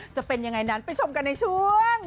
จะเป็นยังไงนั้นไปชมกันในช่วง